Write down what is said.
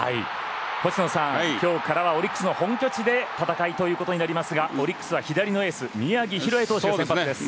星野さん、今日からはオリックスの本拠地で戦いということになりますがオリックスは左のエース宮城大弥投手が先発です。